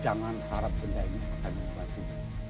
jangan harap benda ini akan dibati